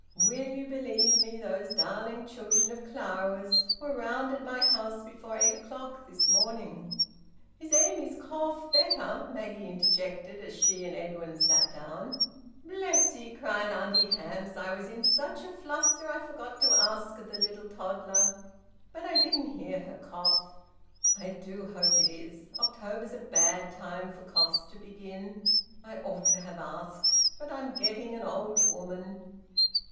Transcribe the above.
Will you believe me, those darling children of Clara's were round at my house before eight o'clock this morning!" "Is Amy's cough better?" Maggie interjected, as she and Edwin sat down. "Bless ye!" cried Auntie Hamps, "I was in such a fluster I forgot to ask the little toddler. But I didn't hear her cough. I do hope it is. October's a bad time for coughs to begin. I ought to have asked. But I'm getting an old woman."